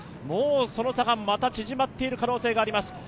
もうその差がまた縮まっている可能性があります。